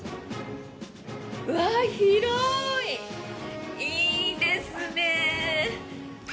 うわー、広い！いいですね。